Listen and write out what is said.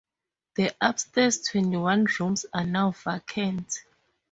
The upstairs twenty-one rooms are now vacant.